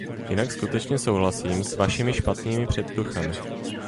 Jinak skutečně souhlasím s vašimi špatnými předtuchami.